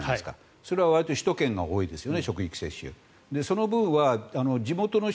それはわりと首都圏が多いですよね。